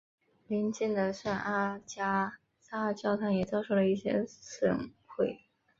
邻近的圣阿加莎教堂也遭受了一些损毁。